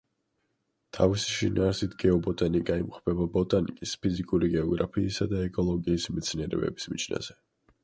თავისი შინაარსით გეობოტანიკა იმყოფება ბოტანიკის, ფიზიკური გეოგრაფიისა და ეკოლოგიის მეცნიერებების მიჯნაზე.